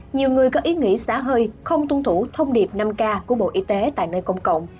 nhiều người có ý nghĩ xá hơi không tuân thủ thông điệp năm k của bộ y tế tại nơi công cộng